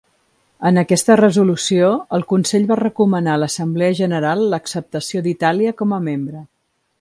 En aquesta resolució, el Consell va recomanar a l'Assemblea General l'acceptació d'Itàlia com a membre.